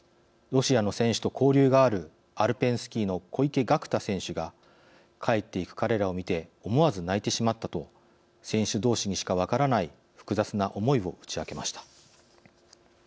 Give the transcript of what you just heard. ロシアの選手と交流があるアルペンスキーの小池岳太選手が「帰っていく彼らを見て思わず泣いてしまった」と選手どうしにしか分からない複雑な思いを打ち明けました。